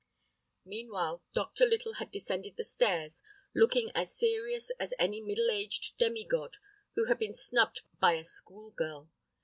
Meanwhile, Dr. Little had descended the stairs, looking as serious as any middle aged demi god who had been snubbed by a school girl.